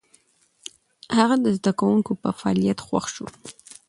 هغه د زده کوونکو په فعاليت خوښ شو.